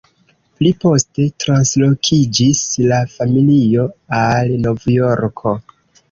Pli poste translokiĝis la familio al Novjorko.